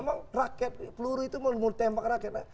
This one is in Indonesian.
emang rakyat peluru itu mau tembak rakyat